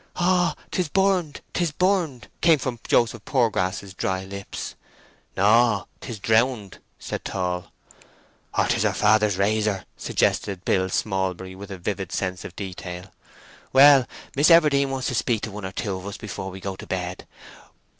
"Oh—'tis burned—'tis burned!" came from Joseph Poorgrass's dry lips. "No—'tis drowned!" said Tall. "Or 'tis her father's razor!" suggested Billy Smallbury, with a vivid sense of detail. "Well—Miss Everdene wants to speak to one or two of us before we go to bed.